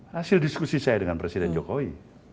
hasil diskusi saya dengan presiden jokowi